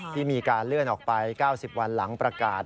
ที่มีการเลื่อนออกไป๙๐วันหลังประกาศ